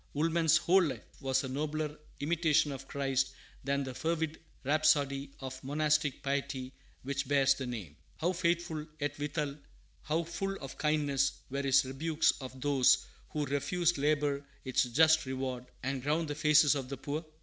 Woolman's whole life was a nobler Imitation of Christ than that fervid rhapsody of monastic piety which bears the name. How faithful, yet, withal, how full of kindness, were his rebukes of those who refused labor its just reward, and ground the faces of the poor?